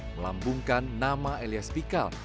melambungkan nama elias pikal